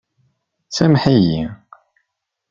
Sameḥ-iyi!